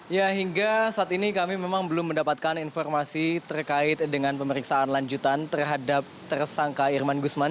ya hingga saat ini kami memang belum mendapatkan informasi terkait dengan pemeriksaan lanjutan terhadap tersangka irman gusman